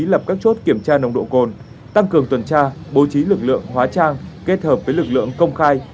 lập các chốt kiểm tra nồng độ cồn tăng cường tuần tra bố trí lực lượng hóa trang kết hợp với lực lượng công khai